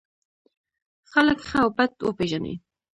خلک ښه او بد وپېژني.